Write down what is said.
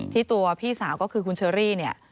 ตัวพี่สาวก็คือคุณเชอรี่เนี่ย